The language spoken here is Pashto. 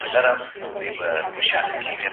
زه اوږده وخت درسونه لوستل کوم!.